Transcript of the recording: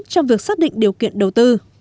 trong việc xác định điều kiện đầu tư